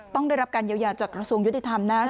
สองสามีภรรยาคู่นี้มีอาชีพ